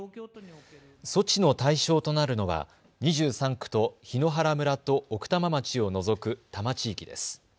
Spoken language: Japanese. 措置の対象となるのは２３区と檜原村と奥多摩町を除く多摩地域です。